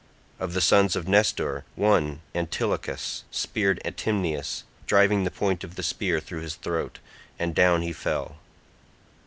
Of the sons of Nestor one, Antilochus, speared Atymnius, driving the point of the spear through his throat, and down he fell.